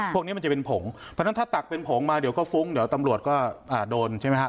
พวกนี้มันจะเป็นผงเพราะฉะนั้นถ้าตักเป็นผงมาเดี๋ยวก็ฟุ้งเดี๋ยวตำรวจก็โดนใช่ไหมฮะ